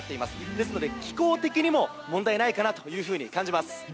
ですので気候的にも問題ないかなと感じます。